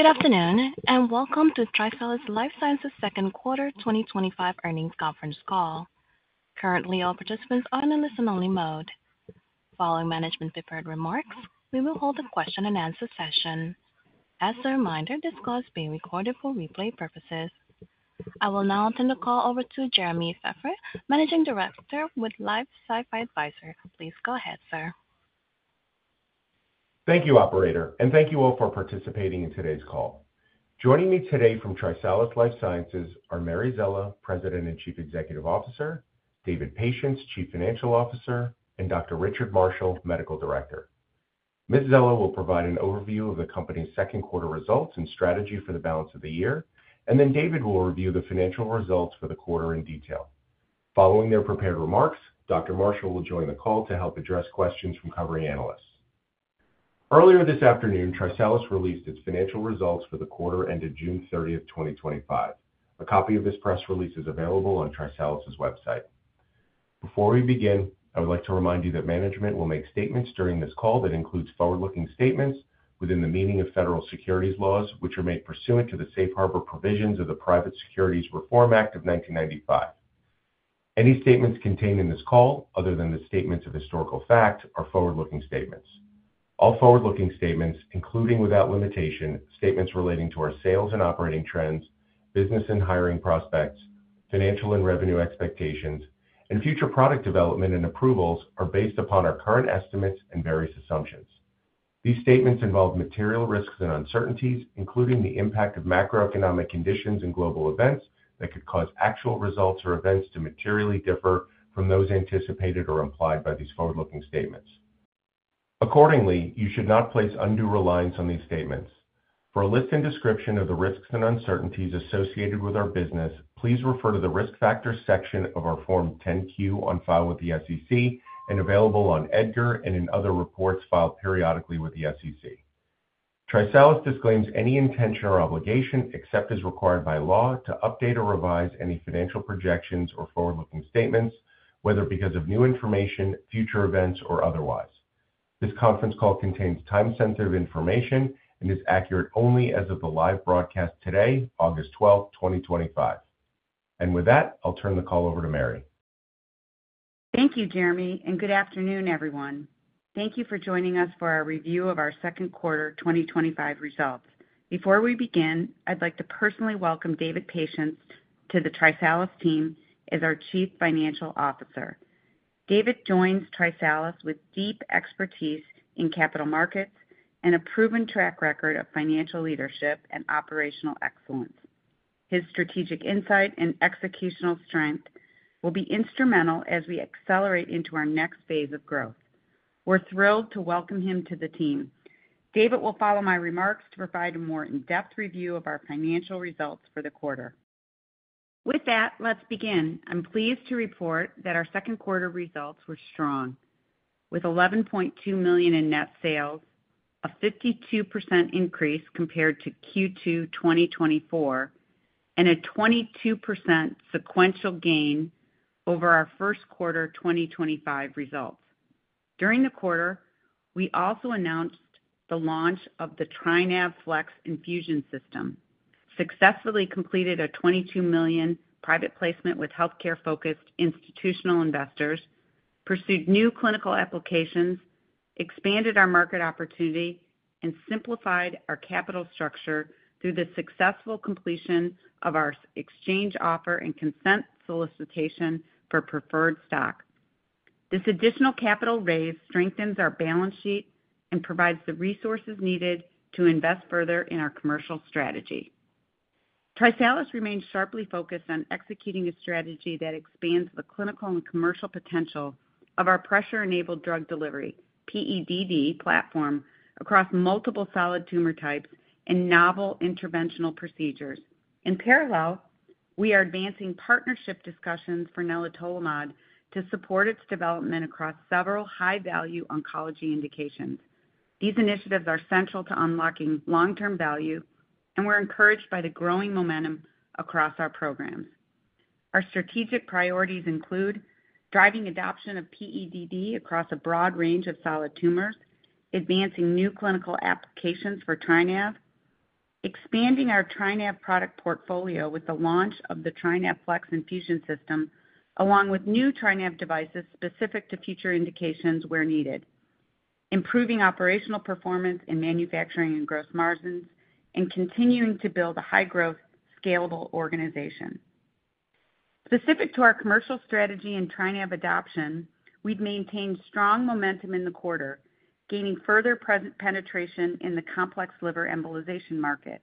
Good afternoon and welcome to TriSalus Life Sciences Second Quarter 2025 Earnings Conference Call. Currently, all participants are in a listen-only mode. Following management's prepared remarks, we will hold a question-and-answer session. As a reminder, this call is being recorded for replay purposes. I will now turn the call over to Jeremy Feffer, Managing Director with LifeSci Advisors. Please go ahead, sir. Thank you, Operator, and thank you all for participating in today's call. Joining me today from TriSalus Life Sciences are Mary Szela, President and Chief Executive Officer, David Patience, Chief Financial Officer, and Dr. Richard Marshall, Medical Director. Ms. Szela will provide an overview of the company's second quarter results and strategy for the balance of the year, and then David will review the financial results for the quarter in detail. Following their prepared remarks, Dr. Marshall will join the call to help address questions from covering analysts. Earlier this afternoon, TriSalus released its financial results for the quarter ended June 30th, 2025. A copy of this press release is available on TriSalus' website. Before we begin, I would like to remind you that management will make statements during this call that include forward-looking statements within the meaning of federal securities laws, which are made pursuant to the Safe Harbor provisions of the Private Securities Reform Act of 1995. Any statements contained in this call, other than the statements of historical fact, are forward-looking statements. All forward-looking statements, including without limitation, statements relating to our sales and operating trends, business and hiring prospects, financial and revenue expectations, and future product development and approvals are based upon our current estimates and various assumptions. These statements involve material risks and uncertainties, including the impact of macroeconomic conditions and global events that could cause actual results or events to materially differ from those anticipated or implied by these forward-looking statements. Accordingly, you should not place undue reliance on these statements. For a list and description of the risks and uncertainties associated with our business, please refer to the risk factors section of our Form 10-Q on file with the SEC and available on EDGAR and in other reports filed periodically with the SEC. TriSalus disclaims any intention or obligation, except as required by law, to update or revise any financial projections or forward-looking statements, whether because of new information, future events, or otherwise. This conference call contains time-sensitive information and is accurate only as of the live broadcast today, August 12, 2025. With that, I'll turn the call over to Mary. Thank you, Jeremy, and good afternoon, everyone. Thank you for joining us for our review of our second quarter 2025 results. Before we begin, I'd like to personally welcome David Patience to the TriSalus team as our Chief Financial Officer. David joins TriSalus with deep expertise in capital markets and a proven track record of financial leadership and operational excellence. His strategic insight and executional strength will be instrumental as we accelerate into our next phase of growth. We're thrilled to welcome him to the team. David will follow my remarks to provide a more in-depth review of our financial results for the quarter. With that, let's begin. I'm pleased to report that our second quarter results were strong, with $11.2 million in net sales, a 52% increase compared to Q2 2024, and a 22% sequential gain over our first quarter 2025 results. During the quarter, we also announced the launch of the TriNav FLX Infusion System, successfully completed a $22 million private placement with healthcare-focused institutional investors, pursued new clinical applications, expanded our market opportunity, and simplified our capital structure through the successful completion of our exchange offer and consent solicitation for preferred stock. This additional capital raise strengthens our balance sheet and provides the resources needed to invest further in our commercial strategy. TriSalus remains sharply focused on executing a strategy that expands the clinical and commercial potential of our Pressure-Enabled Drug Delivery, PEDD platform, across multiple solid tumor types and novel interventional procedures. In parallel, we are advancing partnership discussions for nelitolimod to support its development across several high-value oncology indications. These initiatives are central to unlocking long-term value, and we're encouraged by the growing momentum across our programs. Our strategic priorities include driving adoption of PEDD across a broad range of solid tumors, advancing new clinical applications for TriNav, expanding our TriNav product portfolio with the launch of the TriNav FLX Infusion System, along with new TriNav devices specific to future indications where needed, improving operational performance in manufacturing and gross margins, and continuing to build a high-growth, scalable organization. Specific to our commercial strategy and TriNav adoption, we've maintained strong momentum in the quarter, gaining further penetration in the complex liver embolization market,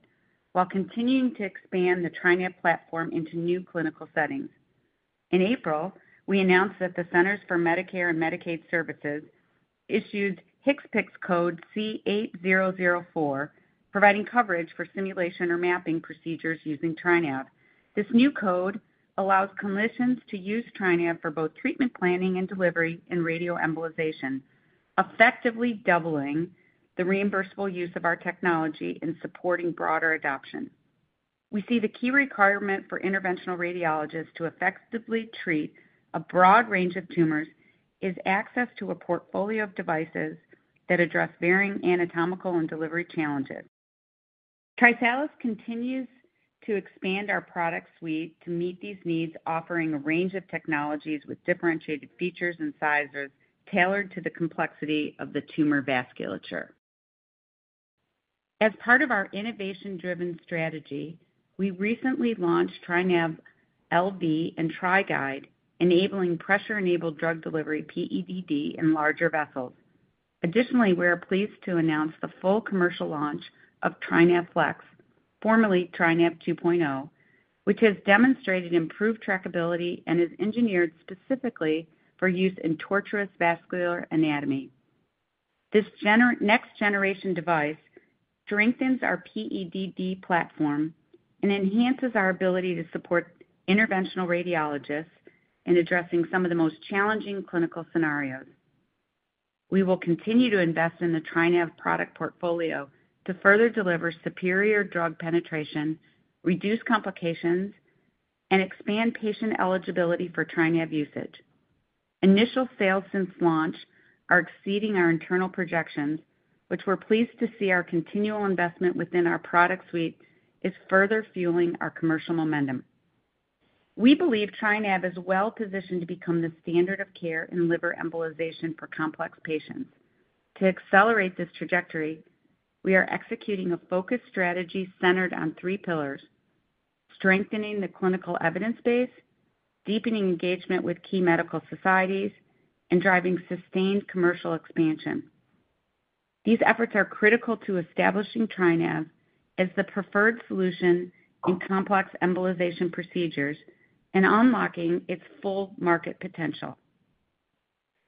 while continuing to expand the TriNav platform into new clinical settings. In April, we announced that the Centers for Medicare & Medicaid Services issued HCPCS code C8004, providing coverage for simulation or mapping procedures using TriNav. This new code allows clinicians to use TriNav for both treatment planning and delivery in radioembolization, effectively doubling the reimbursable use of our technology and supporting broader adoption. We see the key requirement for interventional radiologists to effectively treat a broad range of tumors is access to a portfolio of devices that address varying anatomical and delivery challenges. TriSalus continues to expand our product suite to meet these needs, offering a range of technologies with differentiated features and sizes tailored to the complexity of the tumor vasculature. As part of our innovation-driven strategy, we recently launched TriNav LB and TriGuide, enabling pressure-enabled drug delivery PEDD in larger vessels. Additionally, we are pleased to announce the full commercial launch of TriNav FLX, formerly TriNav 2.0, which has demonstrated improved trackability and is engineered specifically for use in tortuous vascular anatomy. This next-generation device strengthens our PEDD platform and enhances our ability to support interventional radiologists in addressing some of the most challenging clinical scenarios. We will continue to invest in the TriNav product portfolio to further deliver superior drug penetration, reduce complications, and expand patient eligibility for TriNav usage. Initial sales since launch are exceeding our internal projections, which we're pleased to see our continual investment within our product suite is further fueling our commercial momentum. We believe TriNav is well-positioned to become the standard of care in liver embolization for complex patients. To accelerate this trajectory, we are executing a focused strategy centered on three pillars: strengthening the clinical evidence base, deepening engagement with key medical societies, and driving sustained commercial expansion. These efforts are critical to establishing TriNav as the preferred solution in complex embolization procedures and unlocking its full market potential.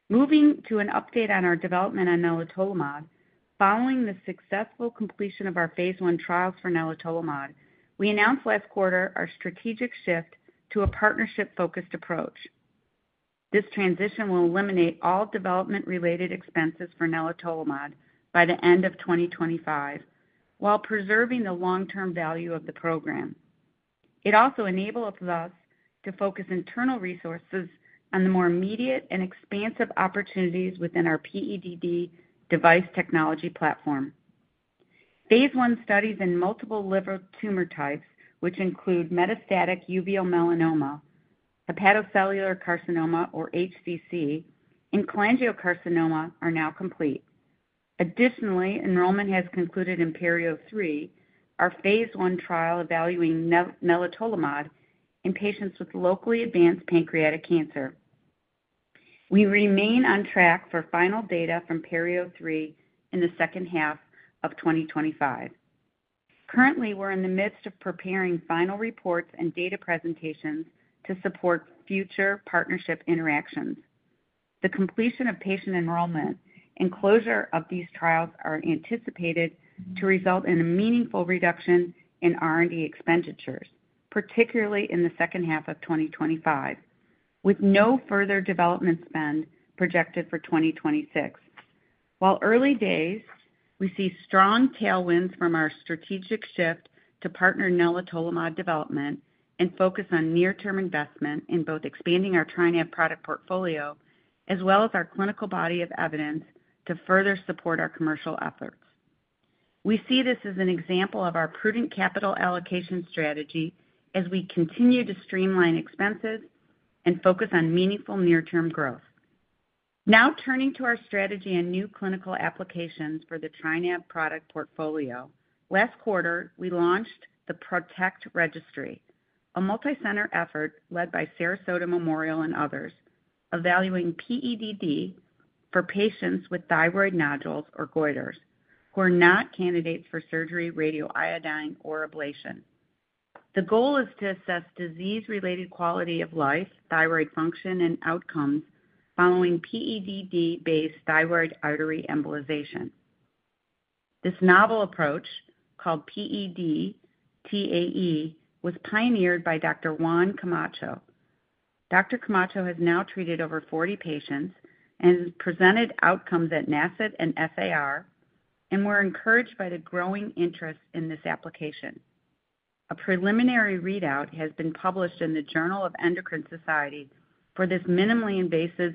Moving to an update on our development on nelitolimod, following the successful completion of our phase I trials for nelitolimod, we announced last quarter our strategic shift to a partnership-focused approach. This transition will eliminate all development-related expenses for nelitolimod by the end of 2025, while preserving the long-term value of the program. It also enables us to focus internal resources on the more immediate and expansive opportunities within our PEDD device technology platform. Phase I studies in multiple liver tumor types, which include metastatic uveal melanoma, hepatocellular carcinoma, or HCC, and cholangiocarcinoma, are now complete. Additionally, enrollment has concluded in PERIO-03, our phase I trial evaluating nelitolimod in patients with locally advanced pancreatic cancer. We remain on track for final data from PERIO-03 in the second half of 2025. Currently, we're in the midst of preparing final reports and data presentations to support future partnership interactions. The completion of patient enrollment and closure of these trials are anticipated to result in a meaningful reduction in R&D expenditures, particularly in the second half of 2025, with no further development spend projected for 2026. While early days, we see strong tailwinds from our strategic shift to partner nelitolimod development and focus on near-term investment in both expanding our TriNav product portfolio as well as our clinical body of evidence to further support our commercial efforts. We see this as an example of our prudent capital allocation strategy as we continue to streamline expenses and focus on meaningful near-term growth. Now turning to our strategy and new clinical applications for the TriNav product portfolio. Last quarter we launched the Protect Registry, a multicenter effort led by Sarasota Memorial and others, evaluating PEDD for patients with thyroid nodules or goiters who are not candidates for surgery, radioiodine, or ablation. The goal is to assess disease-related quality of life, thyroid function, and outcomes following PEDD-based thyroid artery embolization. This novel approach, called PEDTAE, was pioneered by Dr. Juan Camacho. Dr. Camacho has now treated over 40 patients and presented outcomes at NASCET and SAR, and we're encouraged by the growing interest in this application. A preliminary readout has been published in the Journal of Endocrine Society for this minimally invasive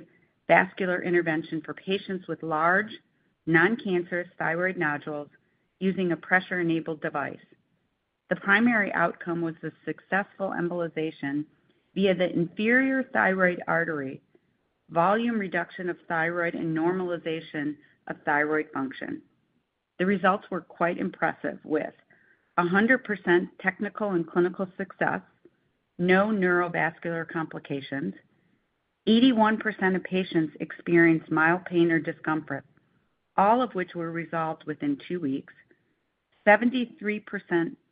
vascular intervention for patients with large, non-cancerous thyroid nodules using a pressure-enabled device. The primary outcome was a successful embolization via the inferior thyroid artery, volume reduction of thyroid, and normalization of thyroid function. The results were quite impressive, with 100% technical and clinical success, no neurovascular complications, 81% of patients experienced mild pain or discomfort, all of which were resolved within two weeks, 73%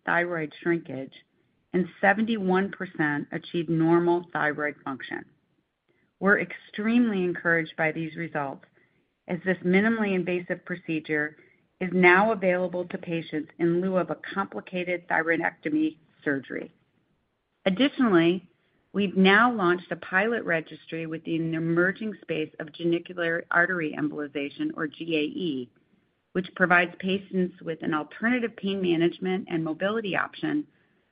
thyroid shrinkage, and 71% achieved normal thyroid function. We're extremely encouraged by these results as this minimally invasive procedure is now available to patients in lieu of a complicated thyroidectomy surgery. Additionally, we've now launched the pilot registry with the emerging space of genicular artery embolization, or GAE, which provides patients with an alternative pain management and mobility option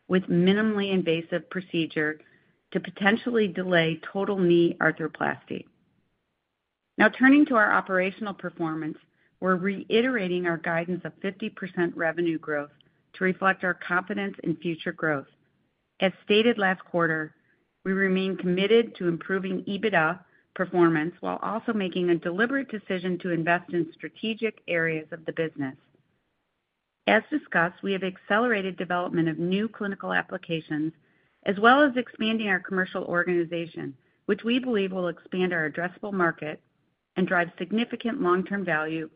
with a minimally invasive procedure to potentially delay total knee arthroplasty. Now turning to our operational performance, we're reiterating our guidance of 50% revenue growth to reflect our confidence in future growth. As stated last quarter, we remain committed to improving EBITDA performance while also making a deliberate decision to invest in strategic areas of the business. As discussed, we have accelerated development of new clinical applications as well as expanding our commercial organization, which we believe will expand our addressable market and drive significant long-term value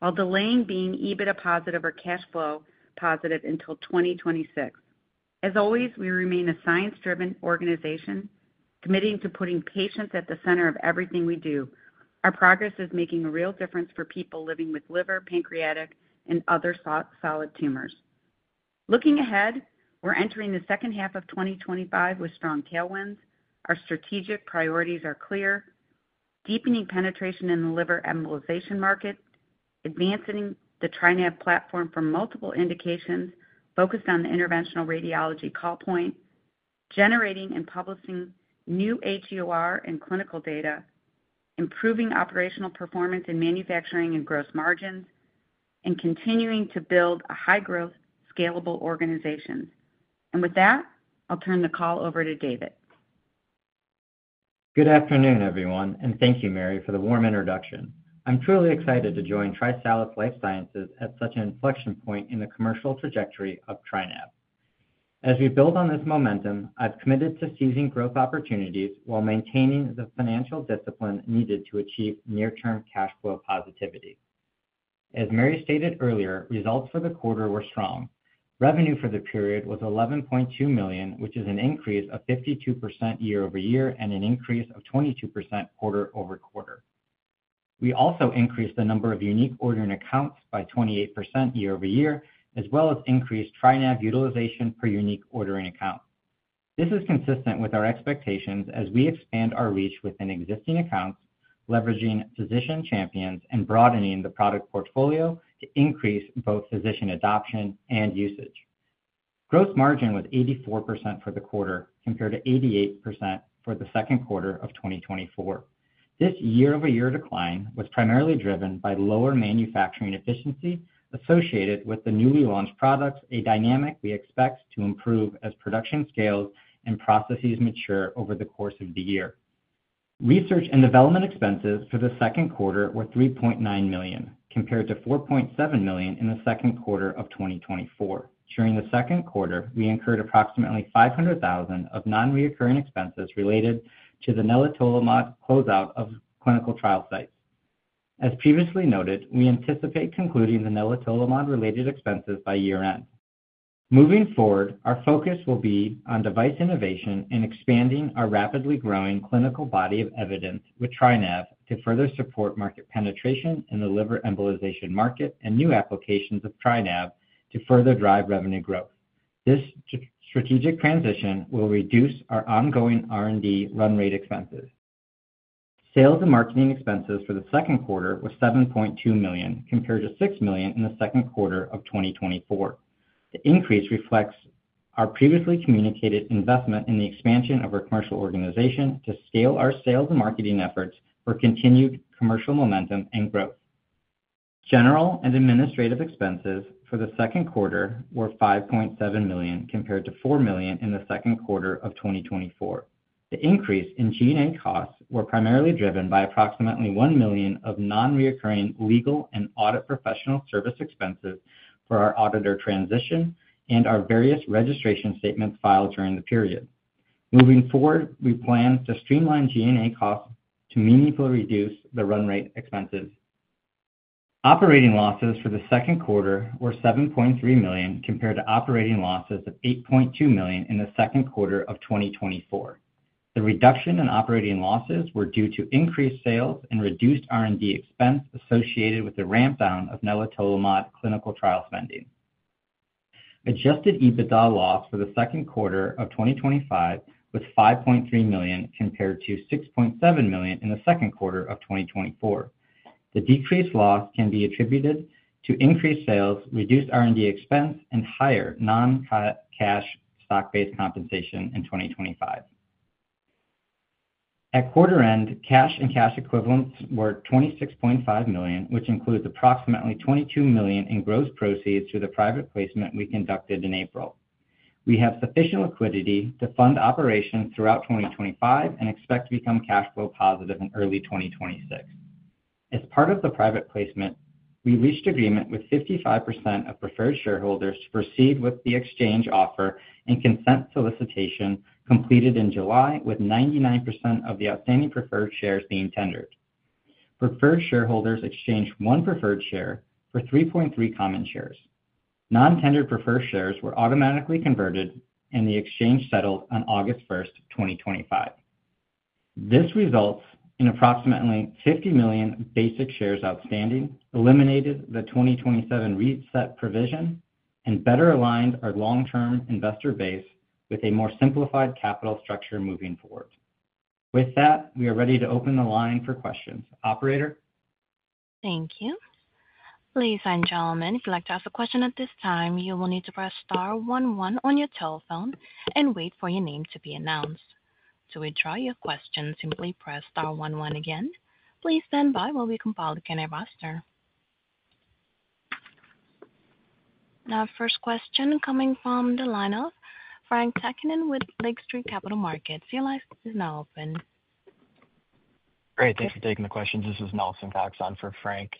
while delaying being EBITDA positive or cash flow positive until 2026. As always, we remain a science-driven organization committing to putting patients at the center of everything we do. Our progress is making a real difference for people living with liver, pancreatic, and other solid tumors. Looking ahead, we're entering the second half of 2025 with strong tailwinds. Our strategic priorities are clear: deepening penetration in the liver embolization market, advancing the TriNav platform for multiple indications focused on the interventional radiology call point, generating and publishing new HER and clinical data, improving operational performance in manufacturing and gross margins, and continuing to build a high-growth, scalable organization. With that, I'll turn the call over to David. Good afternoon, everyone, and thank you, Mary, for the warm introduction. I'm truly excited to join TriSalus Life Sciences at such an inflection point in the commercial trajectory of TriNav. As we build on this momentum, I've committed to seizing growth opportunities while maintaining the financial discipline needed to achieve near-term cash flow positivity. As Mary stated earlier, results for the quarter were strong. Revenue for the period was $11.2 million, which is an increase of 52% year-over-year and an increase of 22% quarter-over-quarter. We also increased the number of unique ordering accounts by 28% year-over-year, as well as increased TriNav utilization per unique ordering account. This is consistent with our expectations as we expand our reach within existing accounts, leveraging physician champions and broadening the product portfolio to increase both physician adoption and usage. Gross margin was 84% for the quarter compared to 88% for the second quarter of 2024. This year-over-year decline was primarily driven by lower manufacturing efficiency associated with the newly launched products, a dynamic we expect to improve as production scales and processes mature over the course of the year. Research and development expenses for the second quarter were $3.9 million compared to $4.7 million in the second quarter of 2024. During the second quarter, we incurred approximately $500,000 of non-recurring expenses related to the nelitolimod closeout of clinical trial sites. As previously noted, we anticipate concluding the nelitolimod-related expenses by year-end. Moving forward, our focus will be on device innovation and expanding our rapidly growing clinical body of evidence with TriNav to further support market penetration in the liver embolization market and new applications of TriNav to further drive revenue growth. This strategic transition will reduce our ongoing R&D run-rate expenses. Sales and marketing expenses for the second quarter were $7.2 million compared to $6 million in the second quarter of 2024. The increase reflects our previously communicated investment in the expansion of our commercial organization to scale our sales and marketing efforts for continued commercial momentum and growth. General and administrative expenses for the second quarter were $5.7 million compared to $4 million in the second quarter of 2024. The increase in G&A costs was primarily driven by approximately $1 million of non-recurring legal and audit professional service expenses for our auditor transition and our various registration statements filed during the period. Moving forward, we plan to streamline G&A costs to meaningfully reduce the run-rate expenses. Operating losses for the second quarter were $7.3 million compared to operating losses of $8.2 million in the second quarter of 2024. The reduction in operating losses was due to increased sales and reduced R&D expense associated with the ramp-down of nelitolimod clinical trial spending. Adjusted EBITDA loss for the second quarter of 2025 was $5.3 million compared to $6.7 million in the second quarter of 2024. The decreased loss can be attributed to increased sales, reduced R&D expense, and higher non-cash stock-based compensation in 2025. At quarter end, cash and cash equivalents were $26.5 million, which includes approximately $22 million in gross proceeds through the private placement we conducted in April. We have sufficient liquidity to fund operations throughout 2025 and expect to become cash flow positive in early 2026. As part of the private placement, we reached agreement with 55% of preferred shareholders to proceed with the exchange offer and consent solicitation completed in July, with 99% of the outstanding preferred shares being tendered. Preferred shareholders exchanged one preferred share for 3.3 common shares. Non-tendered preferred shares were automatically converted, and the exchange settled on August 1st, 2025. This results in approximately 50 million basic shares outstanding, eliminated the 2027 reset provision, and better aligned our long-term investor base with a more simplified capital structure moving forward. With that, we are ready to open the line for questions. Operator? Thank you. Ladies and gentlemen, if you'd like to ask a question at this time, you will need to press star one one on your telephone and wait for your name to be announced. To withdraw your question, simply press star one one again. Please stand by while we compile the candidate roster. Now, first question coming from the lineup, Frank Teckenen with Lake Street Capital Markets. Your line is now open. Great. Thanks for taking the questions. This is Nelson Cox son for Frank.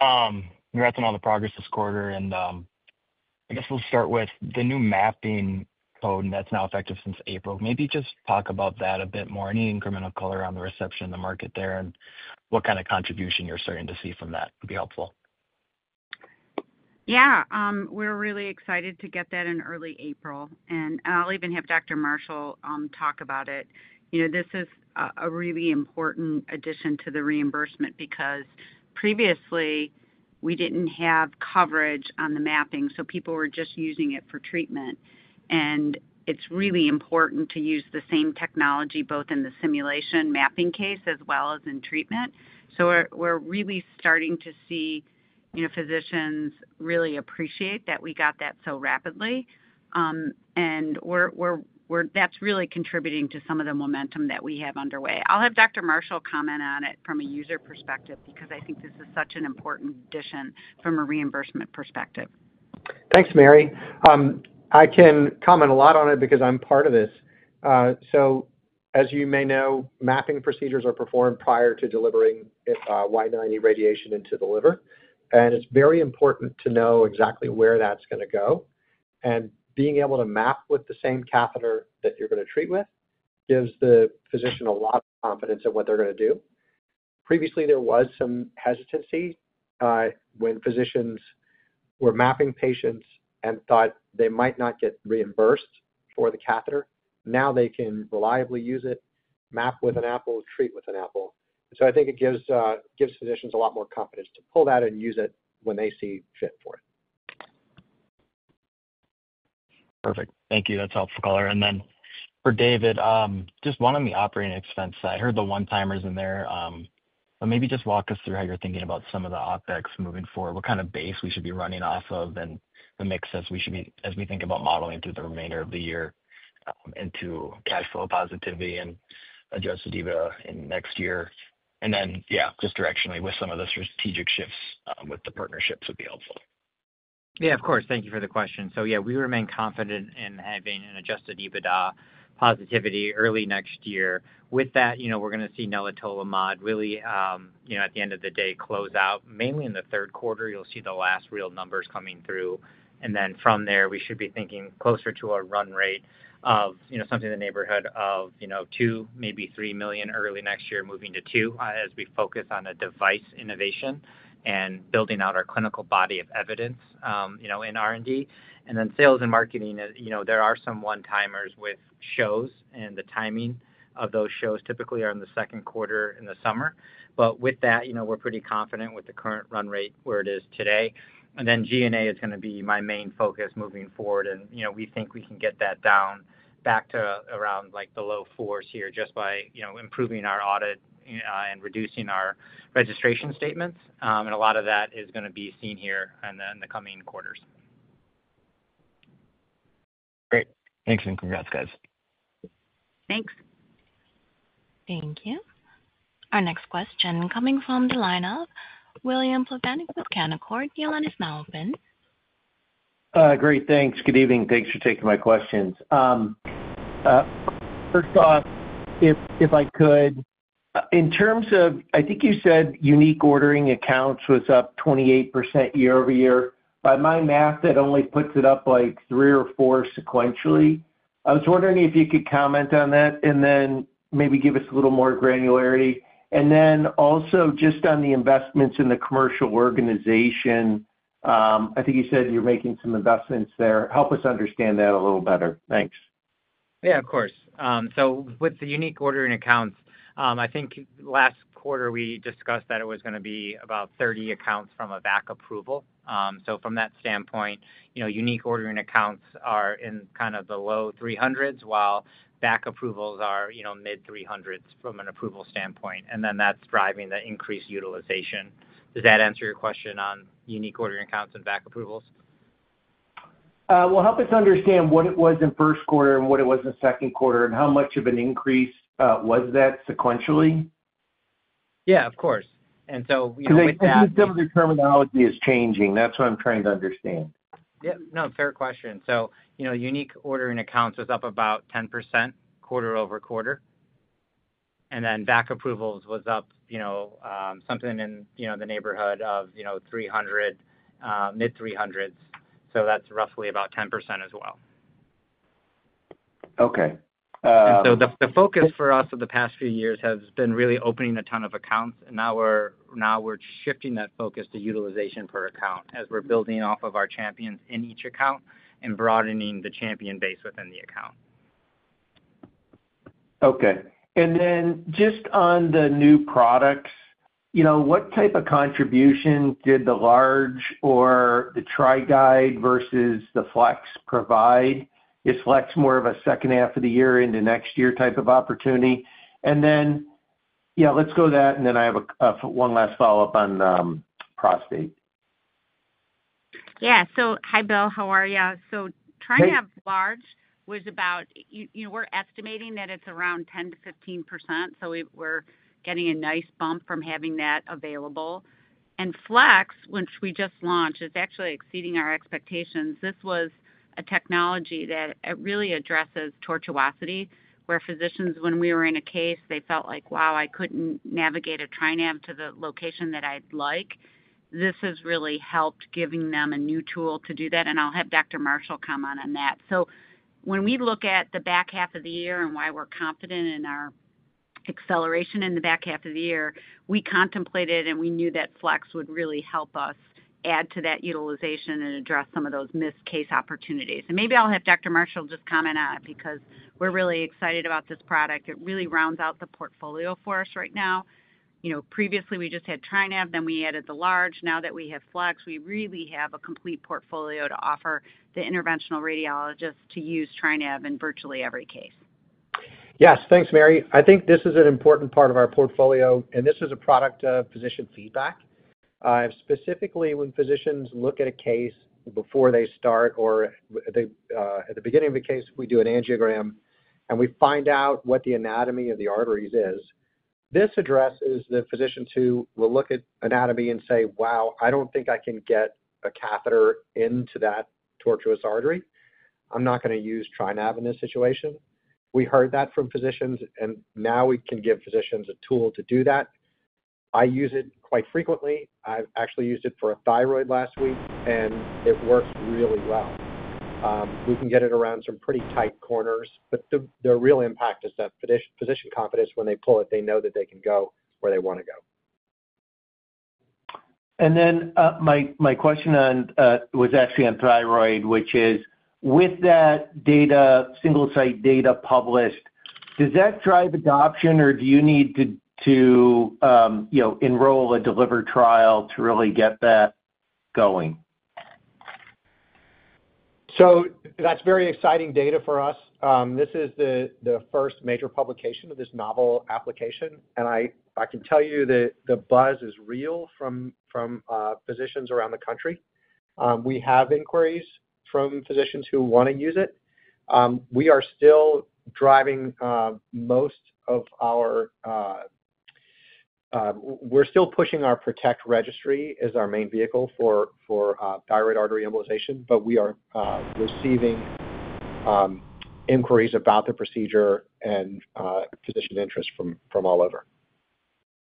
Congrats on all the progress this quarter. I'll start with the new mapping code, and that's now effective since April. Maybe just talk about that a bit more. Any incremental color around the reception in the market there and what kind of contribution you're starting to see from that would be helpful. Yeah. We're really excited to get that in early April. I'll even have Dr. Marshall talk about it. This is a really important addition to the reimbursement because previously, we didn't have coverage on the mapping, so people were just using it for treatment. It's really important to use the same technology both in the simulation mapping case as well as in treatment. We're really starting to see physicians really appreciate that we got that so rapidly. That's really contributing to some of the momentum that we have underway. I'll have Dr. Marshall comment on it from a user perspective because I think this is such an important addition from a reimbursement perspective. Thanks, Mary. I can comment a lot on it because I'm part of this. As you may know, mapping procedures are performed prior to delivering Y90 radiation into the liver. It's very important to know exactly where that's going to go. Being able to map with the same catheter that you're going to treat with gives the physician a lot of confidence in what they're going to do. Previously, there was some hesitancy when physicians were mapping patients and thought they might not get reimbursed for the catheter. Now they can reliably use it, map with an apple, treat with an apple. I think it gives physicians a lot more confidence to pull that and use it when they see fit for it. Perfect. Thank you. That's helpful color. For David, just one on the operating expense. I heard the one-timers in there, but maybe just walk us through how you're thinking about some of the optics moving forward, what kind of base we should be running off of, and the mix as we think about modeling through the remainder of the year into cash flow positivity and adjusted EBITDA in next year. Directionally, with some of the strategic shifts with the partnerships, that would be helpful. Yeah, of course. Thank you for the question. Yeah, we remain confident in having an adjusted EBITDA positivity early next year. With that, we're going to see nelitolimod really, at the end of the day, close out mainly in the third quarter. You'll see the last real numbers coming through. From there, we should be thinking closer to a run rate of something in the neighborhood of $2 million, maybe $3 million early next year, moving to $2 million as we focus on device innovation and building out our clinical body of evidence in R&D. Sales and marketing, there are some one-timers with shows, and the timing of those shows typically are in the second quarter in the summer. With that, we're pretty confident with the current run rate where it is today. G&A is going to be my main focus moving forward. We think we can get that down back to around below $4 million this year just by improving our audit and reducing our registration statements. A lot of that is going to be seen here in the coming quarters. Great. Thanks and congrats, guys. Thanks. Thank you. Our next question coming from the lineup, William Plovanic with Canaccord. Your line is open. Great. Thanks. Good evening. Thanks for taking my questions. First off, if I could, in terms of, I think you said unique ordering accounts was up 28% year-over-year. By my math, that only puts it up like three or four sequentially. I was wondering if you could comment on that and then maybe give us a little more granularity. Also, just on the investments in the commercial organization, I think you said you're making some investments there. Help us understand that a little better. Thanks. Of course. With the unique ordering accounts, I think last quarter we discussed that it was going to be about 30 accounts from a VAC approval. From that standpoint, unique ordering accounts are in the low 300s while VAC approvals are mid-300s from an approval standpoint. That's driving the increased utilization. Does that answer your question on unique ordering accounts and VAC approvals? Help us understand what it was in first quarter and what it was in second quarter and how much of an increase was that sequentially. Yeah, of course. Because some of the terminology is changing. That's what I'm trying to understand. Yeah. No, fair question. Unique ordering accounts was up about 10% quarter-over-quarter. VAC approvals was up, something in the neighborhood of 300, mid-300s. That's roughly about 10% as well. Okay. The focus for us over the past few years has been really opening a ton of accounts. Now we're shifting that focus to utilization per account as we're building off of our champions in each account and broadening the champion base within the account. Okay. Just on the new products, what type of contribution did the Large or the TriGuide versus the Flex provide? Is Flex more of a second half of the year into next year type of opportunity? Let's go to that. I have one last follow-up on the Prostate. Yeah. Hi, Bill. How are you? TriGuide Large, we're estimating that it's around 10%-15%. We're getting a nice bump from having that available. Flex, which we just launched, is actually exceeding our expectations. This was a technology that really addresses tortuosity, where physicians, when we were in a case, felt like, wow, I couldn't navigate a TriNav to the location that I'd like. This has really helped, giving them a new tool to do that. I'll have Dr. Marshall comment on that. When we look at the back half of the year and why we're confident in our acceleration in the back half of the year, we contemplated and we knew that Flex would really help us add to that utilization and address some of those missed case opportunities. Maybe I'll have Dr. Marshall just comment on it because we're really excited about this product. It really rounds out the portfolio for us right now. Previously, we just had TriNav, then we added the Large. Now that we have Flex, we really have a complete portfolio to offer the interventional radiologists to use TriNav in virtually every case. Yes. Thanks, Mary. I think this is an important part of our portfolio, and this is a product of physician feedback. Specifically, when physicians look at a case before they start or at the beginning of a case, we do an angiogram and we find out what the anatomy of the arteries is. This addresses the physician who will look at anatomy and say, "Wow, I don't think I can get a catheter into that tortuous artery. I'm not going to use TriNav in this situation." We heard that from physicians, and now we can give physicians a tool to do that. I use it quite frequently. I've actually used it for a thyroid last week, and it works really well. We can get it around some pretty tight corners, but the real impact is that physician confidence when they pull it, they know that they can go where they want to go. My question was actually on thyroid, which is with that data, single-site data published, does that drive adoption, or do you need to enroll a delivery trial to really get that going? That's very exciting data for us. This is the first major publication of this novel application. I can tell you that the buzz is real from physicians around the country. We have inquiries from physicians who want to use it. We are still driving most of our efforts. We're still pushing our Protect Registry as our main vehicle for thyroid artery embolization, but we are receiving inquiries about the procedure and physician interest from all over.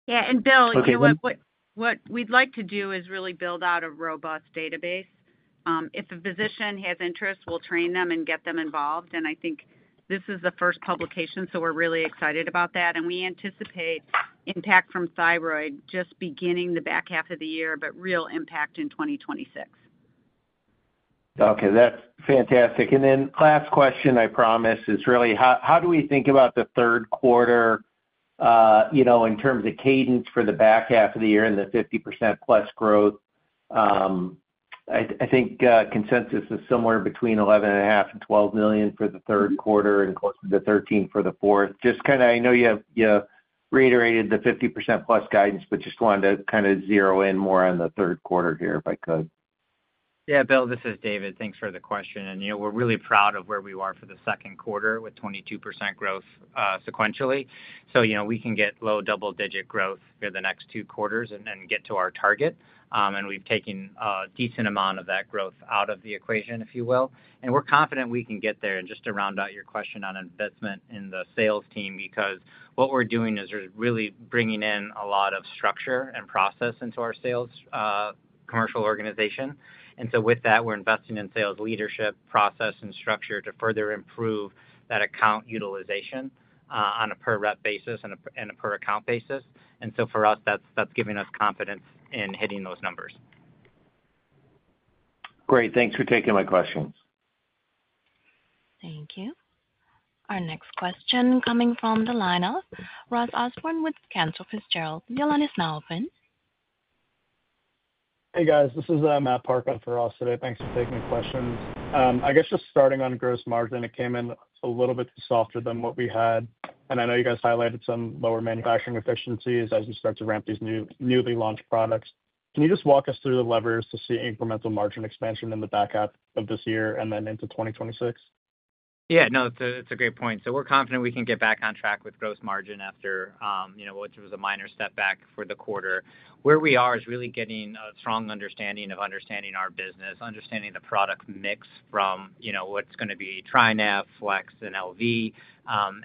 Yeah. What we'd like to do is really build out a robust database. If a physician has interest, we'll train them and get them involved. I think this is the first publication, so we're really excited about that. We anticipate impact from thyroid just beginning the back half of the year, but real impact in 2026. Okay. That's fantastic. Last question, I promise, is really how do we think about the third quarter in terms of cadence for the back half of the year and the 50%+ growth? I think consensus is somewhere between $11.5 million and $12 million for the third quarter and the $13 million for the fourth. I know you reiterated the 50%+ guidance, but just wanted to kind of zero in more on the third quarter here if I could. Yeah, Bill, this is David. Thanks for the question. We're really proud of where we are for the second quarter with 22% growth sequentially. We can get low double-digit growth for the next two quarters and then get to our target. We've taken a decent amount of that growth out of the equation, if you will. We're confident we can get there. Just to round out your question on investment in the sales team, what we're doing is really bringing in a lot of structure and process into our sales commercial organization. With that, we're investing in sales leadership, process, and structure to further improve that account utilization on a per rep basis and a per account basis. For us, that's giving us confidence in hitting those numbers. Great. Thanks for taking my questions. Thank you. Our next question coming from the lineup, Ross Osborn with Cantor Fitzgerald. Your line is now open. Hey, guys. This is Matt Parker for Ross today. Thanks for taking the questions. I guess just starting on gross margin, it came in a little bit softer than what we had. I know you guys highlighted some lower manufacturing efficiencies as you start to ramp these newly launched products. Can you just walk us through the levers to see incremental margin expansion in the back half of this year and then into 2026? Yeah, no, it's a great point. We're confident we can get back on track with gross margin after, which was a minor step back for the quarter. Where we are is really getting a strong understanding of our business, understanding the product mix from what's going to be TriNav, TriNav FLX, and TriNav LB,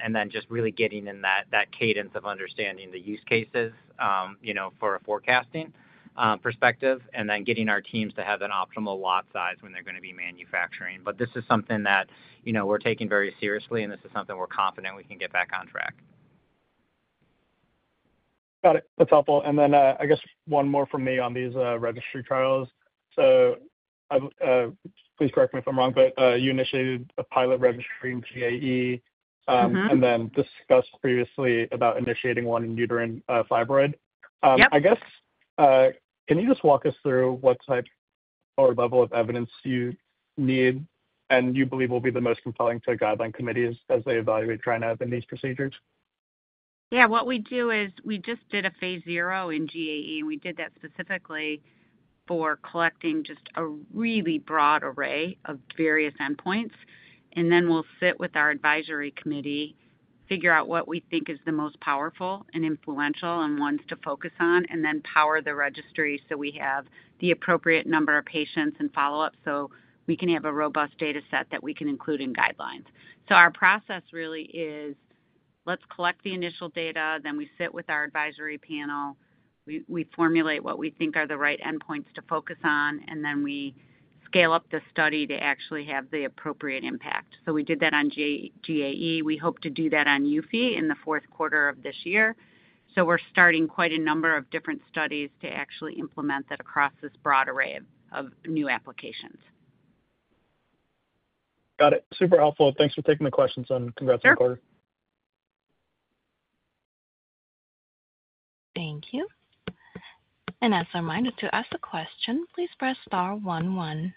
and then just really getting in that cadence of understanding the use cases from a forecasting perspective, and then getting our teams to have an optimal lot size when they're going to be manufacturing. This is something that we're taking very seriously, and this is something we're confident we can get back on track. Got it. That's helpful. I guess one more from me on these registry trials. Please correct me if I'm wrong, but you initiated a pilot registry in GAE and then discussed previously about initiating one in uterine fibroid. Can you just walk us through what type or level of evidence you need and you believe will be the most compelling to guideline committees as they evaluate TriNav in these procedures? Yeah. What we do is we just did a phase zero in GAE, and we did that specifically for collecting just a really broad array of various endpoints. Then we'll sit with our advisory committee, figure out what we think is the most powerful and influential and wants to focus on, and then power the registry so we have the appropriate number of patients and follow-ups so we can have a robust data set that we can include in guidelines. Our process really is let's collect the initial data, then we sit with our advisory panel, we formulate what we think are the right endpoints to focus on, and then we scale up the study to actually have the appropriate impact. We did that on GAE. We hope to do that on Eufy in the fourth quarter of this year. We're starting quite a number of different studies to actually implement that across this broad array of new applications. Got it. Super helpful. Thanks for taking the questions, and congrats on the quarter. Thank you. As a reminder to ask a question, please press star one one.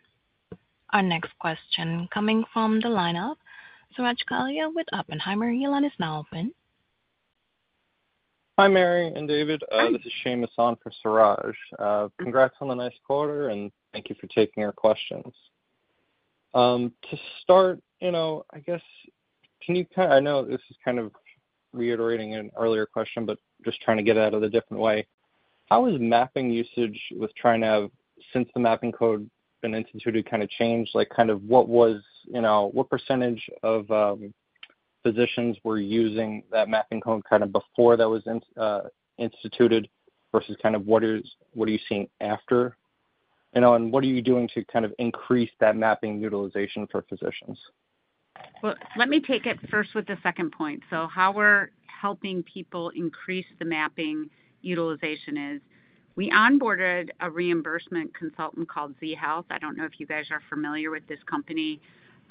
Our next question coming from the lineup, Suraj Kalya with Oppenheimer. Your line is now open. Hi, Mary and David. This is [Shane Ma] on for Suraj. Congrats on the last quarter, and thank you for taking our questions. To start, can you kind of, I know this is reiterating an earlier question, but just trying to get at it a different way. How has mapping usage with TriNav since the mapping code has been instituted changed? What percentage of physicians were using that mapping code before that was instituted versus what are you seeing after? What are you doing to increase that mapping utilization for physicians? Let me take it first with the second point. How we're helping people increase the mapping utilization is we onboarded a reimbursement consultant called ZHealth. I don't know if you guys are familiar with this company.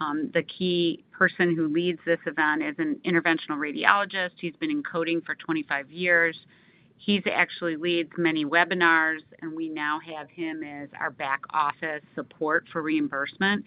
The key person who leads this event is an interventional radiologist. He's been in coding for 25 years. He actually leads many webinars, and we now have him as our back office support for reimbursement.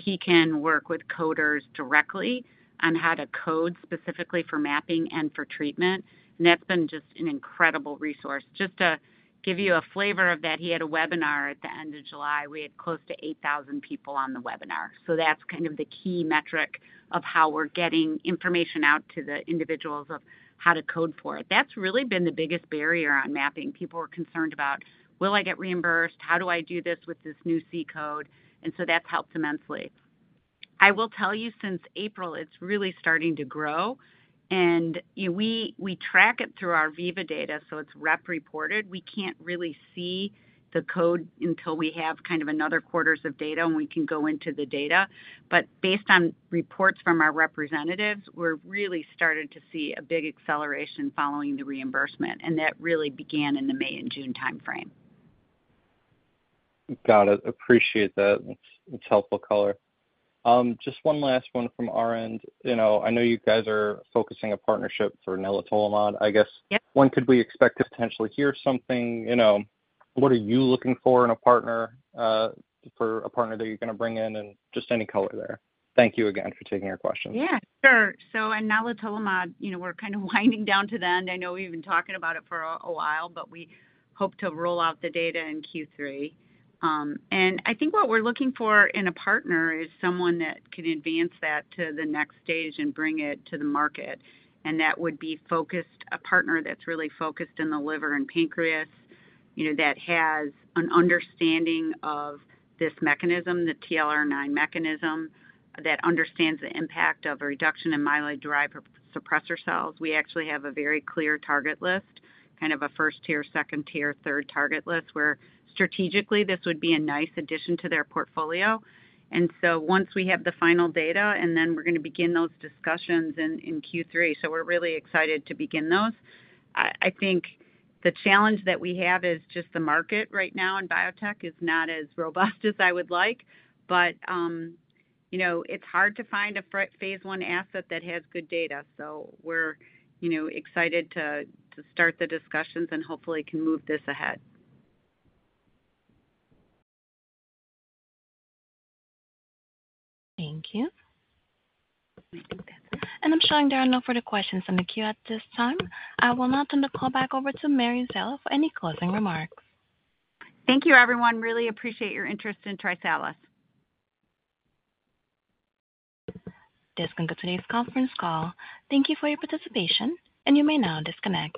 He can work with coders directly on how to code specifically for mapping and for treatment. That's been just an incredible resource. Just to give you a flavor of that, he had a webinar at the end of July. We had close to 8,000 people on the webinar. That's kind of the key metric of how we're getting information out to the individuals of how to code for it. That's really been the biggest barrier on mapping. People are concerned about, "Will I get reimbursed? How do I do this with this new C code?" That's helped immensely. I will tell you, since April, it's really starting to grow. We track it through our VIVA data, so it's rep-reported. We can't really see the code until we have kind of another quarter's of data, and we can go into the data. Based on reports from our representatives, we're really starting to see a big acceleration following the reimbursement. That really began in the May and June timeframe. Got it. Appreciate that. That's helpful color. Just one last one from our end. I know you guys are focusing a partnership for nelitolimod. I guess, when could we expect to potentially hear something? What are you looking for in a partner for a partner that you're going to bring in? Just any color there. Thank you again for taking our questions. Yeah, sure. nelitolimod, we're winding down to the end. I know we've been talking about it for a while, but we hope to roll out the data in Q3. I think what we're looking for in a partner is someone that can advance that to the next stage and bring it to the market. That would be a partner that's really focused in the liver and pancreas, that has an understanding of this mechanism, the TLR9 mechanism, that understands the impact of a reduction in myeloid-derived suppressor cells. We actually have a very clear target list, a first tier, second tier, third target list, where strategically this would be a nice addition to their portfolio. Once we have the final data, we're going to begin those discussions in Q3. We're really excited to begin those. I think the challenge that we have is just the market right now in biotech is not as robust as I would like. It's hard to find a phase I asset that has good data. We're excited to start the discussions and hopefully can move this ahead. Thank you. I'm showing there are no further questions in the queue at this time. I will now turn the call back over to Mary Szela for any closing remarks. Thank you, everyone. Really appreciate your interest in TriSalus. This concludes today's conference call. Thank you for your participation, and you may now disconnect.